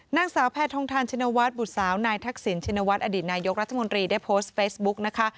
นางสาวแพทองทานชินวัฒน์บุตรสาวนายทักษิณชินวัฒนอดีตนายกรัฐมนตรีได้โพสต์เฟซบุ๊กนะคะ